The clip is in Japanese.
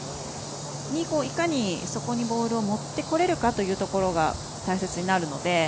そこにいかにボールを持ってこれるかというのが大切になるので。